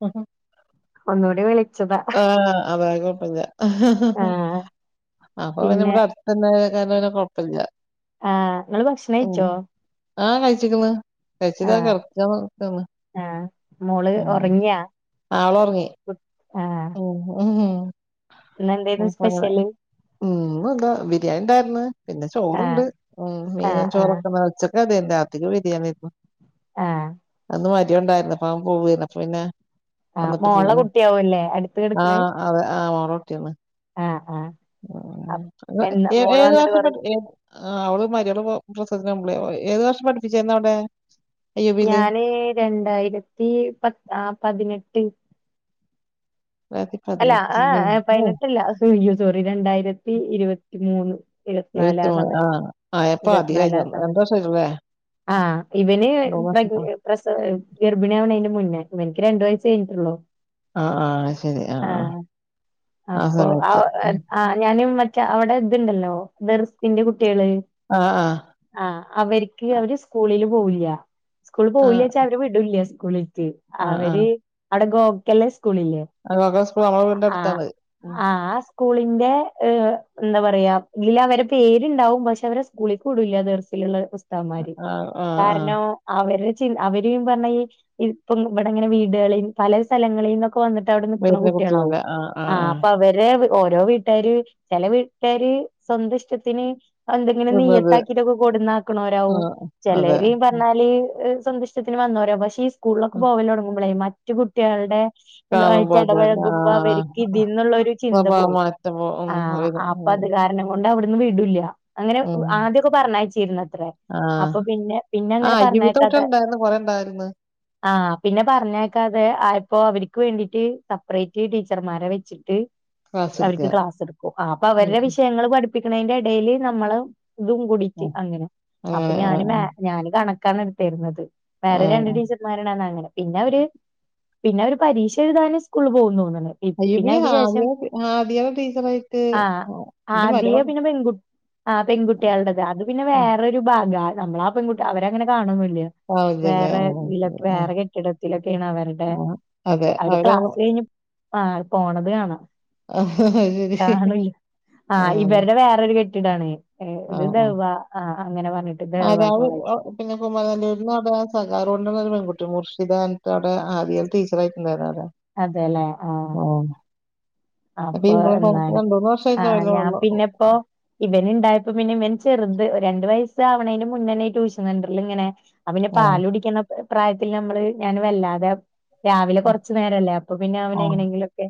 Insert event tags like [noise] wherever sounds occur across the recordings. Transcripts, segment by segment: Who ഹ് ഒന്നൂടെ വിളിച്ചതാ ഏഹ് അത് കൊഴപ്പില്ല ആഹ് അപ്പൊ പിന്നെ ഇവിടെ അടുത്ത് ന്നായ കാരനെലോ കൊഴപ്പല്ല ആഹ് നിങ്ങള് ഭക്ഷണം ഉം കഴിച്ചോ ആഹ് കഴിച്ചക്ക്ണ് കഴിച്ചിതാ ആഹ് കെടക്ക നിക്ക്ന്ന് ആഹ് മോള് ഒറങ്ങിയാ ആള് ഒറങ്ങി ആഹ് ഉം ഇന്ന് എന്തേരുന്നു സ്പെഷ്യല് ഉം ഒന്നുല്ല ബിരിയാണി ഉണ്ടായിരുന്നു പിന്നെ ആഹ് ചോറണ്ട് ഉം ആഹ് മീനും ആഹ് ചോറൊക്കെ താ ച്ചക്ക് അതന്നെ രാത്രിക്ക് ബിരിയാണിയേരുന്നു ആഹ് ഇന്ന് മരോണ്ടായിരുന്നു അപ്പ അവൻ പോവെന്ന് അപ്പൊ പിന്നെ ആഹ് വന്നിട്ട് മോളേ പോവാ. കുട്ടിയാവോല്ലേ അടുത്ത കെടക്ക്ണ് ആഹ് അതെ ആഹ് മോളെ കുട്ടിയാണ് ആഹ് ആഹ് അപ് എന്നാ ഏഹ് മോള് ഏത് വന്നിട്ട് വർഷ കൊറേ ഏഹ് ആഹ് അവള് മലയാള പ്രസംഗത്തിന് [unintelligible] ഏത് വർഷം പഠിപ്പിച്ചതായിരുന്നു അവിടെ. അയ്യൂബില് ഞാന് രണ്ടായിരത്തി പത്തിനെട്ട് രണ്ടായിരത്തി അല്ല ആഹ് പതിനെട്ടില് ഏഹ് ഓ പതിനെട്ടല്ല അയ്യോ സോറി രണ്ടായിരത്തി ഇരുപ മൂന്ന് ഇരുപത്തിനാലാ എഴുപത്തി മൂന്ന് ആ സമയത്ത് ആ എപ്പോ അധികം ആയി ഇരുപത്തിനാലാ വന്നു. രണ്ട് സമയത്ത് വർഷമായില്ലേ ആഹ് ഇവനെ മൂന്ന് പ്ര വർഷത്തോ പ്രസ ഗർഭിണിയാവണൻ്റെ മുന്നേ ഇവന്ക്ക് രണ്ടു വയസ്സ് കഴിഞ്ഞിട്ടോള്ളൂ ആഹ് ആഹ് ശരി ആഹ് ആഹ് ആഹ് അപ്പൊ സമയത്ത് ആഹ് ആഹ് ഞാനും മറ്റേ അവിടെ ഇതുണ്ടല്ലോ ദർസിന്റെ കുട്ടികള് ആഹ് ആഹ് ആഹ് അവർക്ക് അവര് സ്കൂളില് പോവില്ല സ്കൂള ആ പോവില്ലച്ചാ വിടുല്ല സ്കൂളിൽക്ക് ആ ആ അവര് അവിടെ ഗോക്കല്ലേ സ്കൂളില്ലെ ഗോഗോ സ്കൂൾ നമ്മുടെ വീടിന്റെ അടുത്താണ ആഹ് ആ സ്കൂളിന്റെ എന്താ പറയാ ഇതിൽ അവരെ പേരുണ്ടാവും പക്ഷെ അവരെ സ്കൂളിൽ ക്ക് വിടൂല്ല ദർസിലുള്ള ത്താത്മാര് ആ ആ ആ കാരണം അവരു ചി അവര് ന്ന് പറഞ്ഞ ഈ ഇപ്പം ഇവിടെങ്ങനെ വീടുകളിൽ പല സ്ഥലങ്ങളിൽ നിന്നൊക്കെ വന്നിട്ട് അവിടെ നിക്ക്ണ വരുന്ന കുട്ടികളാവും കുട്ടികളല്ലേ ആ ആ ആ ആഹ് അപ്പൊ അവരെ ഓരോ വീട്ടാര് ചില വീട്ടാര് സ്വന്തഷ്ടത്തിന് എന്തെങ്കിലും വരുന്നത് നിയ്യത്താക്കിട്ടൊക്കെ ആ കൊടന്നാക്കണോരാവും അതെ ചിലര് പറഞ്ഞാല് സ്വന്ത ത്തിന് വന്നോരോവും പക്ഷെ ഈ സ്കൂളിലൊക്കെ ഉം. പോവല്ല തുടങ്ങുമ്പളേ മറ്റു കുട്ടികളുടെ കാണുമ്പോ ആയിട്ട് അതല്ല ആ ഇടപഴകുമ്പോ അവർക്ക് ഇതിൽന്നുള്ളരു ചിന്ത സ്വഭാവം പോവും മാറ്റം പോ- ഉം ആഹ് വരും അപ്പൊ ഉം അത് കാരണം അതൊണ്ട് അവിടന്ന് വിടില്ല അങ്ങനെ ഉം ആദ്യമൊക്കെ പറഞ്ഞയച്ചിരുന്ന അത്രേ ആ അപ്പൊ പിന്നെ പിന്നെ ആ അങ്ങനെ അയ്യൂബിത്തെ പറഞ്ഞേക്കാത കുട്ടികളുണ്ടായിരുന്നു കുറെ ഉണ്ടായിരുന്നു ആഹ് പിന്നെ പറഞ്ഞേക്കാതെ ആയപ്പൊ അവർ ക്ക് വേണ്ടീട്ട് സെപ്പറേറ്റ് ടീച്ചർമാരെ വെച്ചിട്ട് ക്ലാസ് എടുക്കുക അവർക്ക് ക്ലാസ് എടുക്കും അപ്പൊ ഉം അവരുടെ ഉം. വിഷയങ്ങൾ പഠിപ്പിക്കണതിന്റെ ഇടൽ നമ്മള് ഇതും ആ കൂടിട്ട് അങ്ങനെ അപ്പൊ അങ്ങനെ ആ ഞാൻ ആ ഞാൻ കണക്കാണ് എടുത്തീർന്നത് ആ വേറെ രണ്ട് ടീ മരണംന്ന് അങ്ങനെ പിന്നെ അവര് പിന്നെ അവര് പരീക്ഷ എഴുതാന് സ്കൂളിൽ പോകും തോന്ന്ണ് അയ്യോ പിന്നെ അതിൻ്റെ ശേഷം ഹാദിയ ഹാദിയയുടെ ടീച്ചറായിട്ട് ആ എന്റെ ആദ്യ മരുമക പിന്നെ പെൺകു ആ പെൺകുട്ടികളടേത് അത് പിന്നെ ആ, വേറൊരു ഭാഗം നമ്മള ആ പെൺകുട്ടി അവരങ്ങനെ കാണൊന്നില്ല ആവില്ലല്ലേ വേറെ ആ, ഇതില ആ, വേറെ കെട്ടിടത്തിലൊക്കെണ് അവര്ടെ ആ, അതെ ക്കെ അവര് അവരാ ക്ലാസ് കഴിഞ്ഞ് ആ പോണത് കാണാ ആ, ശരി കാണില്ല ആ ഇവരുടെ വേറൊരു കെ ട്ടിടാണ് ആ ഇത് ആ ദഹ് വ ആ അങ്ങനെ പറഞ്ഞിട്ട് ആ, ദഹ് വ രാവ് കോളേജ് ആ, പിന്നെ കുമമാനല്ലൂരിൽന്ന് അവിടെ ആ സഖാവ് റോഡിൻ്റെ അവിടന്നു ഒരു പെൺകുട്ടി മുർഷിദ ന്ന് പറഞ്ഞിട്ട് അവിടെ ആദ്യം ടീച്ചറായിട്ടുണ്ടായിരുന്നു അവിടെ അതെല്ലേ ആഹ് ആ അപ്പൊ ഇവിടെ എന്താണ് രണ്ടുമൂന്ന് ആഹ് വർഷമായിട്ടുണ്ടാവില്ല ഞാൻ പിന്നെപ്പോ ഇവൻ ഉണ്ടായപ്പോ പിന്നെ ഇവൻ ചെറുത് രണ്ട് വയസ്സ് ആവണേന്റെ മുന്നേണെ ട്യൂഷൻണ്ടർലു ഇങ്ങനെ പിന്നെ ആ പാല് കുടിക്കുന്ന പ്രായത്തില് നമ്മള് ഞാൻ വല്ലാതെ രാവിലെ ആ കൊറച്ചു നേരല്ലേ അപ്പൊ പിന്നെ ആ, അവന എങ്ങനെങ്കിലുംക്കെ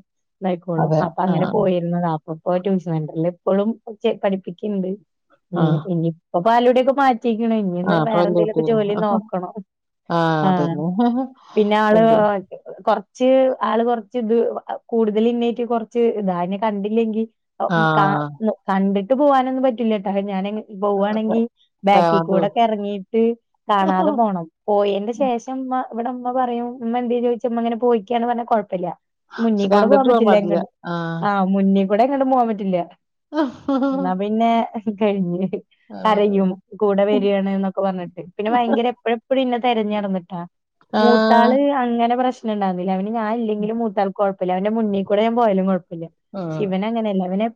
പ്പോളും അതെ അപ്പ ആ അങ്ങനെ പോയിരുന്ന അപ്പ ഇപ്പോ ട്യൂഷൻ സെന്ററിൽ ഇപ്പോഴും പഠിപ്പിക്കുണ്ട് ആ ഇനിയിപ്പ പാലൂടെൊക്കെ മാറ്റിരിക്ണ് ഇനി ആ ഒന്ന് അപ്പൊ വേറെ വലിയ കുട്ടി എന്തേലൊക്കെ ജോലി നോക്കണം ആ ആഹ് അതന്നെ പിന്നെ ആള് എന്ത് കുറച്ച് ആൾ കുറച്ച് ത് കൂടുതൽ ഇന്നേറ്റ് കൊറച്ച് താ അയ്നെ ക മ് കണ്ടില്ലെങ്കിൽ ആ കണ്ടിട്ട് പോവാനൊന്നും പറ്റില്ല ട്ടാ ഞാനയ് പോവാണെങ്കിൽ ബാക്കി കവാന്തോ കൂടെ കറങ്ങിയിട്ട് കാണാതെ പോണം പോയന്റെ ശേഷം അമ്മ ഇവിടെ അമ്മ പറയും അമ്മ എന്ത ചോദിച്ച അമ്മ അങ്ങനെ പോയിക്കാന്ന് പറഞ്ഞ കൊഴപ്പമില്ല ശേ ണ്ടി ട്ട് ആഹ് മുന്നിൽ കൂടെ പോവാൻ പറ്റില്ല ന്ന പിന്നെ കഴിഞ്ഞു ആഹ് യും കൂടെ വരിയാണ് എന്നൊക്കെ പറഞ്ഞിട്ട് പിന്നെ ഭയങ്കര എപ്പഴ എപ്പോഴും ഇന്നെ തിരഞ്ഞി നടന്നിട്ടാ ആഹ് മൂത്താള് അങ്ങനെ പ്രശ്നംണ്ടാവുന്നില്ല അവന് ഞാൻ ഇല്ലെങ്കില മൂത്താൾക്ക് കൊഴപ്പമില്ല അവന്റെ മുന്നേ കൊറേ പോയാലും കുഴപ്പല്ല ആഹ് ശേ വൻ അങ്ങനെയല്ല അവനെ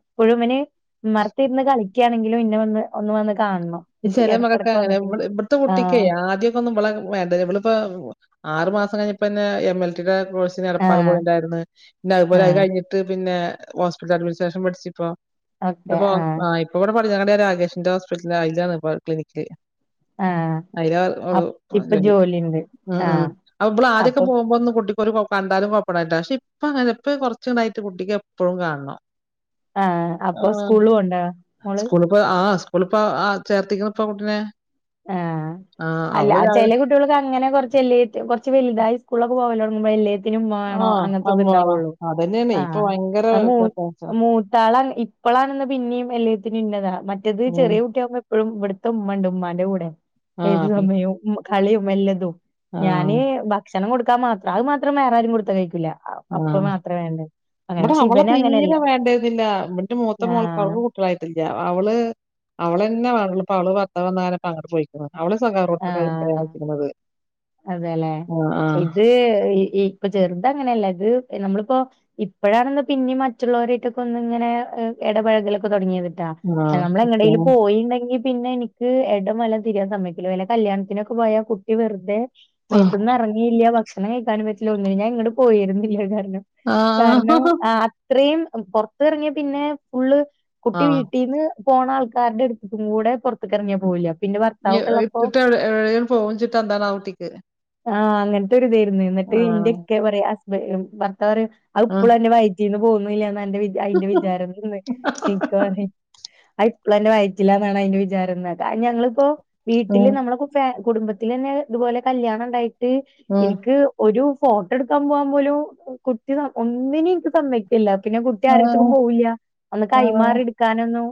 വിന് മ്മറ ത്തിരുന്ന് കളിക്കയാണെങ്കിലും ഇന്നെ വന്ന് ഒന്ന് വന്ന് കാണണം ഈ എന്നിട്ട് ചെല മക്കക് ഇടക്കിടക്ക് അങ്ങനെ വന്നിട്ട് ഇവിടത്തെ ആഹ് കുട്ടിക്കയക്ക് ആദ്യം ന്ന വേണ്ടമ്മളിപ്പോ ആറു മാസം കഴിഞ്ഞപ്പോ എം ൽ ടി യുടെ കോഴ്സ് പ്പാൽ ആഹ് പോയിണ്ടായിരുന്നു പിന്നെ അതുപോലെ അത് ആഹ് കഴിഞ്ഞിട്ട് പിന്നെ ഹോസ്പിറ്റൽ അഡ്മിനിസ്ട്രേഷൻ പഠിച്ചിപ്പോ ഓക്കെ ഇപ്പൊ ആഹ് ഇവിടെ പഠഞ്ഞ കട രാകേഷിന്റെ ഹോസ്പിറ്റല അതിലാണ് ഇപ്പ ക്ലിനിക്കില് ആഹ് അപ് [unintelligible] ഇപ്പൊ ജോലി ജോലിയുണ്ട് ആഹ് [unintelligible] അപ്പൊ വള് ആദ്യൊക്കെ പോകുമ്പോ ഒന്ന് കുട്ടി കണ്ടാലും കൊഴപ്പ പക്ഷെ ഇപ്പ അങ്ങനെപ്പ കൊറച്ച യിട്ട് കുട്ടിക്ക് എപ്പോഴും കാണണം ആഹ അപ്പൊ സ്കൂളും ഉണ്ടോ മോള് ഇപ്പ ആ സ്കൂളിപ്പ ആ ചേർത്തിക്ണ് പ്പ കുട്ടിനെ ആഹ ആ അല്ല അവള് രാവി ചെല കുട്ടികൾക്ക് അങ്ങനെ കൊറച്ചല്ല കുറച്ച് വലിതായി സ്കൂളൊക്ക പോല്ലോ [unintelligible] വേണോ ആഹ് അങ്ങനത്തെ അമ്മോള ഇത്ണ്ടാവുള്ളൂ അതന്നെയാണ് ഇപ്പൊ ഭയങ്കര ആ വ്യത്യാസാ. മൂത്താള ഇ ഇപ്പളാണെന്ന് പിന്നെയും എല്ലത്തിന ഇന്നതാണ് മറ്റത് ഉം ചെറിയ കുട്ടിയാകുമ്പോ എപ്പോഴും ഇവിടുത്തെ മ്മ ണ്ട് മ്മാ [unintelligible] ഏത് ആഹ് സമയവും കളിയുംല്ലതും ഞാന് ആഹ് ഭക്ഷണം കൊടുക്കാൻ മാത്രം അയ് മാത്രം വേറെ ആരേം കൊടുക്കാനയ്ക്കൂല ആഹ് ഇവിടെ അവള ഇവന് അങ്ങനെയല്ല തീരെ വേണ്ടതില്ല ന്റ് മൂത്ത മോൾക്ക ആഹ് യിട്ട അവള് അവള്ന്നെ വേണള്ളപ്പോ അവ [unintelligible] പോയി അവള് സഖട്ട് [unintelligible] ന്നത് അതെല്ലെ ഇത് ഇപ്പൊ ചെറുത അങ്ങനെയല്ല ഇത് നമ്മളിപ്പോ ഇപ്പോഴാണെന്ന് പിന്നെ മറ്റുള്ളവരായിട്ടൊക്കെ ഒന്ന ഇങ്ങനെ ഇടപഴകലൊക്കെ തുടങ്ങിയത് ആഹ് നമ്മൾ എങ്ങടൽ കുട്ട്യാള് പോയിണ്ടെങ്കി പിന്നെ എനിക്ക് ഇടം വലം തിരിയാൻ സമയ ഇത് വല്ല കല്യാണത്തിനൊക്കെ പോയാ കുട്ടി വെറുതെ ആഹ് മേത്ത്ന്ന് ഇറങ്ങി ഇല്ല ഭക്ഷണം കഴിക്കാൻ പറ്റില്ല ഒന്നിന ഞാൻ എങ്ങട്ട് പോയിരുന്നില്ല ആഹ് കാരണം ഇത്രയും പുറത്ത് റങ്ങിയ പിന്നെ ഫുള്ള് കുട്ടി ആഹ് വീട്ടിൽന്ന് പോണ ആൾക്കാരുടെ അടുത്തും കൂടെ പുറത്തക്ക ഇറങ്ങിയാ പോവില്ല പിന്നെ ഭർത്താവൊക്കെള്ള പ്പോ ടേം [unintelligible] എന്താണ് ട്ടിക്ക് ആഹ് അങ്ങനത്തെ ഒരു ഇതായിരുന്നു എന്നിട്ട് ഇന്റെയ ആഹ് ഉപ്പ പറയാ ഹസ്ബൻഡ് ഭർത്താവ് പറയും അ ഇപ്പോളും എന്റെ വയറ്റിന്ന് പോകന്നില്ല ന്ന്ന്റെ അയ്ന്റെ ആഹ് വിചാരംന്ന് അത് ഇപ്പളന്റെ വയറ്റിലാണെന്നാ അതിന്റെ വിചാരന്നോക്ക് ഞങ്ങളിപ്പോ വീ ഇല്ല നമ്മളൊക്കെ കുടുംബത്തിലന്നെ ഇതുപോലെ കല്യാണം ഉണ്ടായിട്ട് ഉം എനിക്ക് ഒരു ഫോട്ടോ എടുക്കാൻ പോകാൻ പോലും കുട്ടി ഒന്നിനും എനിക്ക് സമ്മതി ഇല്ല പിന്നെ കുട്ടി ആരെ ആഹ് അടുത്തേക്കൊന്നും പോവില്ല ഒന്ന് ആഹ് കൈമാറി എടുക്കാനൊന്നും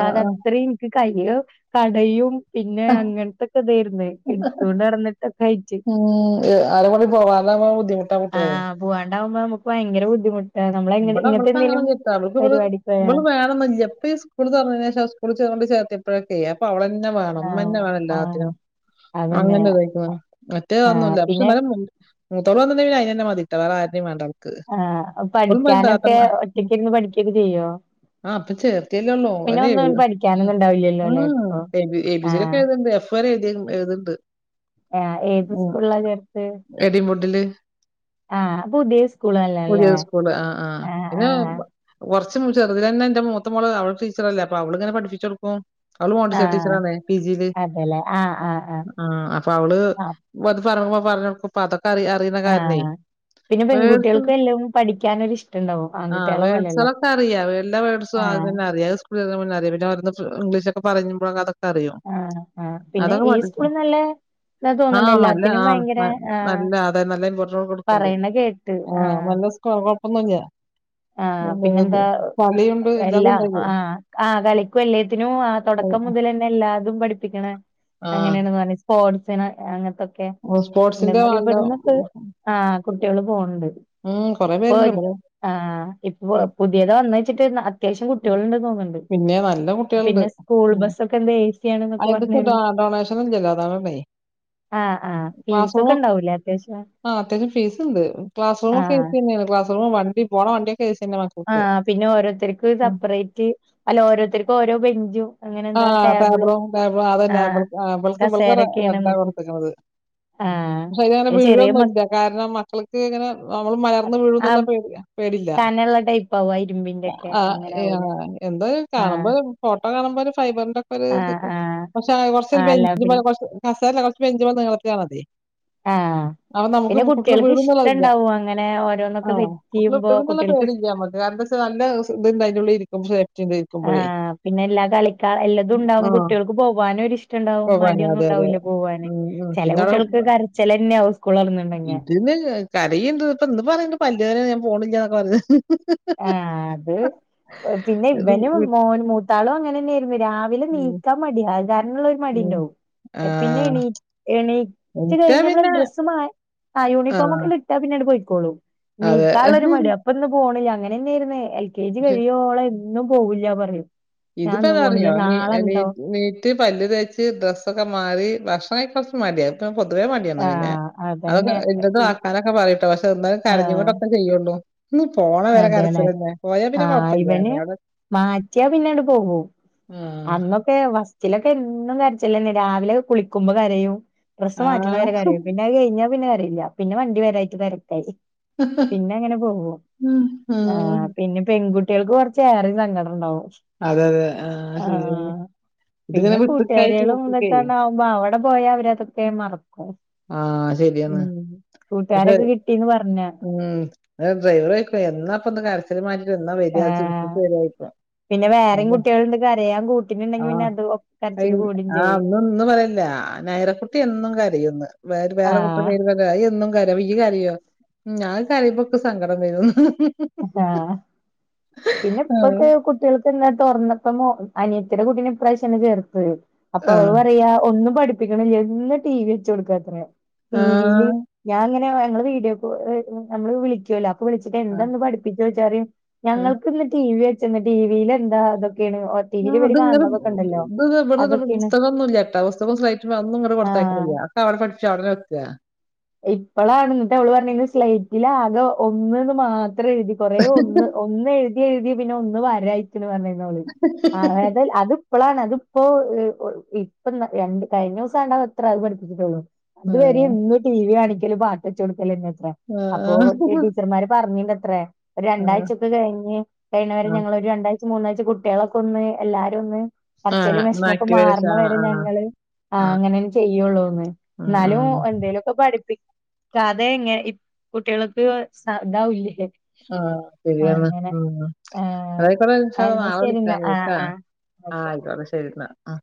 ആഹ് ആഹ് അത്രയും കയ്യ് കടയും പിന്നെ അങ്ങനത്തൊക്കെ ഇതായിരുന്നു എടുത്തോണ്ട് നടന്നിട്ടൊക്കെ കയ്ച്ചു. ഉം ഏ, ആരെ കൂടെ പോവാതാവുമ്പോ [unintelligible] പോവാണ്ടാവുമ്പോ നമുക്ക് ഭയങ്കര ബുദ്ധിമുട്ടാ നമ്മള് ഇങ്ങനത്തെ ഇവിടെ അവൾക്ക് എന്തെങ്കിലും പരിപാടിക്ക്‌ പോയാ എപ്പംഈ സ്കൂള് തുറന്നതിന് ശേഷം സ്കൂൽ കൊണ്ട് ചേർത്തി എപ്പോഴൊക്കെയ അപ്പ അവളന്നെ മ്മ വേണം ആഹ് ഉമ്മന്നെ വേണം ആഹ് എല്ലാത്തിനും അതന്നെ അങ്ങനെതിക്ക ആഹ് മറ്റേതൊന്നുംല്ല പക്ഷെ പിന്നെ ന്ന മുത്തൂൾവന്നിടേൽ പിന്നെ അയിനെ തന്നെ മതിട്ട വേറെ ആരെയും വേണ്ടഅവൾക്ക്. ആഹ്. പഠിക്കാനൊക്കെ ഒറ്റക്ക്‌ ഇരുന്ന് പഠിക്കോക്കെ ചെയ്യോ? ആഹ് ഇപ്പൊ ചേർത്തിയല്ലേള്ളൊ പിന്നെ അതെ ഒന്നും പഠിക്കാനൊന്നും ഉണ്ടാവില്ലല്ലോ അല്ലെ ആഹ് ഇപ്പൊ A B A B C D ഒക്കെ ആഹ് എഴുതണ്ടോ? ഇപ്പ എഴുതി എഴുതണ്ട് ആഹ്. ഏത് സ്കൂളാ ചേർത്ത്? എഡിൻവുഡില് ആഹ്. അത് പുതിയ പുതിയ സ്കൂളല്ലല്ലേ? ആഹ് ആഹ് പിന്നെ കുറച്ച് ചെറുതിലന്നെ എന്റെ മൂത്ത മോള് അവള് ടീച്ചറല്ലേ അപ്പ അവളിങ്ങനെ പഠിപ്പിച്ച് കൊടുക്കും. അവള് മോണ്ടിസറി ആഹ് ടീച്ചറാണേ പി ജില് അതെല്ലേ ആഹ് ആഹ് ആഹ് അപ്പൊ അവള് ആഹ് വന്ന് പറയുമ്പോ പറഞ്ഞ് അതൊക്കെ അറിയാ ആഹ്. പിന്നെ പെൺകുട്ടികൾക്ക് വല്ലതും പഠിക്കാനൊരിഷ്ടം ഉണ്ടാവും. ആഹ് വേഡ്സ്കളൊക്കെ അറിയാ എല്ലാ വേഡ്സും എല്ലാം ആഹ് തന്നെ അറിയാ. ഇവിടിരുന്നാ പിന്നെ അറിയും പിന്നെ ഓരോന്ന് ഇംഗ്ലീഷൊക്കെ പറയുമ്പോ അതൊക്കെ അറിയും ഏഹ് പിന്നെ അതൊക്കെ ഈ പഠിക്കും. സ്കൂള് നല്ല ഇതാ തോന്ന്ണ്ട് ആഹ് നല്ല എല്ലാത്തിനും ആഹ് ഭയങ്കര ആഹ് നല്ല അതെ നല്ല ഇമ്പോർട്ടന്റ് കൊടുക്കണ്ട് പറയ്ണ കേട്ട് ആഹ് നല്ല സ് കൊഴപ്പൊന്നുല്ല. ആഹ് പിന്നെന്താ കളിയുണ്ട് എല്ലാതും എല്ലാ ഉണ്ട് അയില്. ആഹ് ആഹ് കളിക്കും എല്ലാത്തിനും ആഹ് തുടക്കം മുതലെ എല്ലാതും പഠപ്പിക്കണേ ആഹ് അങ്ങനെയാണെന്ന് പറഞ്ഞേ സ്പോർട്സിന് അങ്ങനത്തൊ ക്കെ സ്പോർട്സിന്റെ എന്നാലും നല്ല ഇവിടുന്നൊക്ക ആഹ് കുട്ടികള് പോണ്ട് ഉം. കൊറേ ഇപ്പൊ പേരുണ്ട് വരും ഇവിടെ. ആഹ് ഇപ്പൊ ഉം. പുതിയതാന്ന് വെച്ചിട്ട് അത്യാവശ്യം കുട്ടികള് ഉണ്ടെന്ന് തോന്ന്ണ്ട് പിന്നെ നല്ല കുട്ടികളുണ്ട്. പിന്നെ സ്കൂൾ ഉം. ബസൊക്കെ എന്താ ഏ സി ആണെന്നൊക്കെ അതിന്റെയൊക്കെ പറഞ്ഞവര് ഡോ ഡൊണേഷൻ ഇല്ലല്ലോ അതാണേ. ആഹ് ആഹ്. ഫീസൊക്കെ ഉണ്ടാവൂലേ അത്യാവശ്യം ആഹ് അത്യാവശ്യം ഫീസ്ണ്ട്. ക്ലാസ്റൂമൊക്കെ ആഹ് അടുത്തന്നെയാണ് ക്ലാസ്റൂ വണ്ടി പോണ വണ്ടിയോക്കെ ഏ സി തന്നെയാണ്. ആഹ് പിന്നെ ഓരോരുത്തർക്ക് സപ്പറേറ്റ് അല്ല ഓരോരുത്തർക്ക്‌ ഓരോ ബെഞ്ചും അങ്ങനെ എന്താ ആഹ ടേബിളും ത ആഹ് അതന്നെളക്കക്ക കസേരൊക്കെയാണ് വണ്ട നമ്മക്ക് കൊടുത്തക്കണുന്നത് [unintelligible] ആഹ് ശരി അങ്ങനെ പിന്നെ ചെറിയ മ വീഴൊന്നുല്ല കാരണം മക്കൾക്ക് ഇങ്ങനെ നമ്മള് മലർന്ന് വീഴുന്നുള്ള ആഹ് പേടിയാ പേടില്ല കനള്ള ടൈപ്പ് ആവും ആ ഇരുമ്പിന്റെക്കെ ആഹ് അങ്ങനെ ആവൂലേ എന്തായാലും ആഹ് കാണുമ്പോ ഫോട്ടോ കാണുമ്പോ ഒരു ഫൈബറിന്റെ ഒക്കൊരു ഇത് ആഹ് ആഹ് പക്ഷെ കുറച്ചൊരു ആഹ് അല്ല ബെഞ്ച് പോലെ പിന്നെ കസേരല്ല കുറച്ച് ബെഞ്ച് പോലെ നീളത്തി മതി ആഹ്. പിന്നെ കുട്ടികൾക്ക് വീഴുംന്നുള്ളതില്ല. ഇഷ്ടണ്ടാവും അങ്ങനെ ആ. ഓരോന്നൊക്കെ കുട്ടികള് വെക്കുമ്പോ വീഴുംന്നുള്ള കുട്ടികൾക്ക് സ് പേടില്ല നമ്മക്ക്. കാരണം എന്താച്ചാ നല്ല ഇത്ണ്ട് അതിനുള്ളിലിരിക്കുമ്പോ സെറ്റിലിരിക്കുമ്പോഴേ ആഹ് പിന്നെ എല്ലാ കളീം എല്ലാതും ഉണ്ടാവും കുട്ടികൾക്ക് പോവാനും ഒരിഷ്ടണ്ടാവും പോവാന് മടിയൊന്നും അതെ, അതെ. ഉണ്ടാവൂലാ പോവാന് ഉം, ഉം. ചെല പിന്നവടെ കുട്ടികൾക്ക് കര ച്ചിലെന്നയാവും സ്കൂള് തുറന്നുണ്ടെങ്കി ഇതിന് കരയുണ്ട് ഇപ്പൊ ഇന്ന് പറയുന്നുണ്ട് പല്ല് വേദനയാ ഞാൻ പോണില്ലാന്നൊക്കെ പറഞ്ഞ് ആഹ അത് പിന്നെ ഇത് ഇവനും വി മോൻ മൂത്താളും അങ്ങനെ തന്നെയായിരുന്നു ഉം, രാവിലനീണീക്കാൻ മടി അ കാരണുള്ള ഒരു മടി ഉം. ഉണ്ടാവും ആ. പിന്നെ എണീ ഇച്ചിരി എനിക്കാ കഴിഞ്ഞ് പിന്ന പിന്നെ ഡ്രസ്സ് ആ. യൂണിഫോം ഒക്കെ ഇട്ടാൽ പിന്നെ അങ്ങട്ട് പൊയ്ക്കോളും അതെ. എണീക്കാനുള്ള മടിയാ ഇപ്പ ഇന്ന് പോണില്ല അങ്ങനെ തന്നെയായിരുന്നു എൽ കെ ജി കഴിയോള എന്നും പോവൂല്ല പറയും ഞാൻ ഇതിപ്പോ ഇന്ന് പോണില്ല എന്താറിയോ നാളെണ്ടോ എണീറ്റ് പല്ല് തേച്ച് ഡ്രസ്സൊക്കെ മാറി ഭക്ഷണം കഴി മടിയൊ പൊതുവേ മടിയാണ് പിന്നെ ആഹ് അതൊക്കെ അതന്നെ എന്റെതൊക്കെ ആക്കാനൊക്കെ പറയി കേട്ടോ പക്ഷെ എന്താലും ആഹ് കരഞ്ഞൊട്ടൊക്കെ ചെയ്യള്ളൂ ഇന്ന് പോണേ വരെ അതെല്ലേ കരച്ചിലന്നെ പോയാ പിന്നെ കൊഴപ്പമില്ല അവിടെ മാറ്റിയ പിന്നങ്ങട്ട് പോവും ആഹ് അന്നൊക്കെ ഫസ്റ്റിലൊക്കെ എന്നും കരച്ചില്ലന്നയ രാവിലെ കുളിക്കുമ്പോ കരയും ഡ്രസ്സ്‌ മാറ്റണ ആഹ് വരെ കരയും പിന്നെ അത് കഴിഞ്ഞാ പിന്നെ കരയില്ല പിന്നെ വണ്ടി വരായിട്ട് തെരക്കായി പിന്നെ അങ്ങനെ പോകും ആഹ് പിന്നെ പെൺകുട്ടികൾക്ക് കുറ ച്ച് ഏറെ. സങ്കടം ഉണ്ടാവും അതെ അതെ ആഹ് ശരിയാ ആഹ് ഇതിങ്ങനെ പിന്നെ വിട്ട്ക്കായിട്ട് കൂട്ടുകാരികളും വിട്ട്ക്കേ ഇതൊക്കെന്നാ അവിടെ പോയാ അവരതൊക്കെ മറക്കും ആഹ ശരിയണ് ഉം പക്ഷെ കൂട്ടുകാരൊക്കെ കിട്ടീന്ന് പറഞ്ഞ ഉം ഡ്രൈവർ ചോയിക്കും എന്നാപ്പൊ ഒന്ന് കര അതുമാതിരി എന്ന വരുവാ ആഹ് വച്ച്. [unintelligible] പിന്നെ വേറെയും കുട്ടികളുണ്ട് കരയാൻ കൂട്ടിനുണ്ടെങ്കിൽ പിന്നെ അത് ഒ കരച്ചില് കൂടും ചെയ്യും ഒന്ന് പറല്ല നയര കുട്ടി എന്നും കരയുംന്ന് വേറെ കുട്ടികൾ ആഹ് പേര് പറഞ്ഞ് കരയും ഇജ്ജ് കരയോ ഞാൻ കരയുമ്പൊക്കെ ഇൻക്ക് സങ്കടം വരും ആഹ പിന്നെ ആഹ് ഇപ്പൊക്കെ കുട്ടി കുട്ടികൾക്ക് തുറന്നപ്പോ അനിയത്തിടെ കുട്ടിനെ ഇപ്രാവിശ്യാണ് ചേർത്തത് അപ്പൊ അവര് ആഹ് പറയാ ഒന്നും പഠിപ്പിക്കണില്ല എന്നും ടി വി വെച്ച കൊടുക്കാത്ര ആ. ടിവിയില് ഞാൻ ഇങ്ങനെ ഞങ്ങള് വീഡിയോ കോള് നമ്മള് വിളിക്കുവല്ലോ അപ്പൊ വിളിച്ചിട്ട് ആ. എന്താ ഇന്ന് പഠിപ്പിച്ച് ചോയിച്ചാൽ ആ. ഞങ്ങൾക്ക് ഇന്ന് ടി വി വെച്ചന്ന് ടിവിൽ എന്താ അതൊക്കെയാണ് ആ ടീവില് അവര് അതിങ്ങള് കാണുന്നതൊക്കെണ്ടല്ല ഇത് ഇവിട പുസ്തകൊന്നും ഇല്ലാട്ടാ പുസ്തകവും സ്ളെയിറ്റും ഒന്നും ഇടെ ആഹ് കൊടുത്തയിക്കുന്നില്ല അക്കെ അവിടെ പഠിച്ച് അവിടെന്നെ വെക്കാ ഇപ്പളാണ് എന്നിട്ട് അവള് പറഞ്ഞെിൽ സ്ളയിറ്റില് ആകെ ഒന്ന് ന്ന് മാത്രം എഴുതി കൊറെ ഒന്ന് ഒന്ന് എഴുതിയ എഴുതിയ പിന്നെ ഒന്ന് വരായിക്കണ് പറഞ്ഞിനി ഓൾ അത് അത്പ്പളാണ് അതിപ്പോ ഇപ്പ രണ്ട് കഴിഞ്ഞ ദിവസം കണ്ട അത്രേ അത് പഠിപ്പിച്ചിട്ടുള്ളൂ ആ. ഇത് വര ഇന്ന് ടി വി കാണിക്കലും പാട്ട് വെച്ചുകൊടുക്കലന്നെത്ര ആ. അപ്പോ ടീച്ചർമാര് പറഞ്ഞിനി ത്ര. ഒരു ആ. രണ്ടാഴ്ച ഒക്കെ കഴിഞ്ഞ് കഴിഞ്ഞവരെ ആ. ഞങ്ങൾ ഒരു രണ്ടാഴച മൂന്നാഴ്ച കുട്ടികളൊക്കെ ഒന്ന് എല്ലാരും ഒന്ന് ആ. കരച്ചില് എന്നാ വിഷമൊക്കെ ആക്ടിവേഷൻ മാറണ ആ. വരെ ആ. ഞങ്ങള് ആ. ആഹ് അങ്ങനെ ചെയ്യുള്ളൂന്ന് ഉം. എന്നാലും ഉം. എന്തേലും ഒക്കെ പഠിപ്പിക്കതെ എങ്ങനെ കുട്ടികൾക്ക് ഇതാവില്ലേ ആഹ ശരിയാണ് ഉ ആഹ് അതായിക്കോട്ടെ ഇന്ഷാ അള്ളാഹ് എന്നാ നാളെ ശരി എന്നാ വിളിക്ക ആഹ് ട്ടാ ആഹ് ആയിക്കോട്ടെ ശരിന്നാ അഹ്